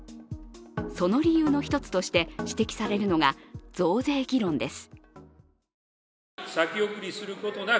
その理由の一つとして指摘されるのが増税議論です。